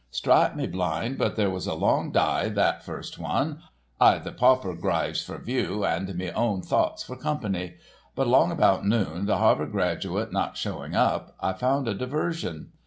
"Strike me blind but that was a long dye, that first one. I'd the pauper gryves for view and me own thoughts for company. But along about noon, the Harvard graduate not showing up, I found a diversion.